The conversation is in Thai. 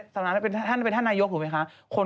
สมมุติอ่ะเป็นท่านนายกถูกไหมคะ